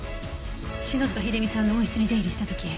篠塚秀実さんの温室に出入りした時。